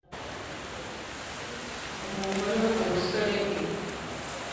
Umugore wo mu busore bwe